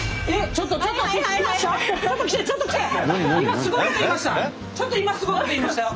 ちょっと今すごいこと言いましたよ。